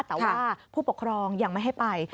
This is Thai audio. แต่ว่าผู้ปกครองยังไม่ให้ไป